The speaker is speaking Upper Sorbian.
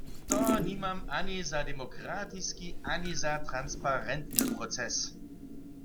To nimam ani za demokratiski ani za transparentny proces.